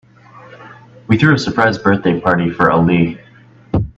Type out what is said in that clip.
We threw a surprise birthday party for Ali.